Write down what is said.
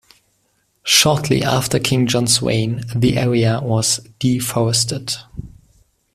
Shortly after King John's reign, the area was deforested.